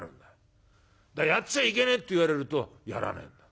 だから『やっちゃいけねえ』って言われるとやられんだ。